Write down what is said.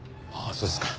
そうですか。